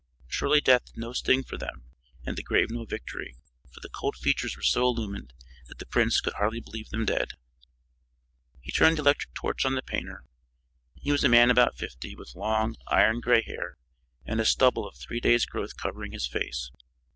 Surely death had no sting for them and the grave no victory, for the cold features were so illumined that the prince could hardly believe them dead. He turned the electric torch on the painter. He was a man about fifty, with long, iron gray hair, and a stubble of three days' growth covering his face.